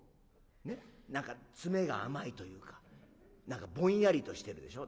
ねっ何か詰めが甘いというか何かぼんやりとしてるでしょ。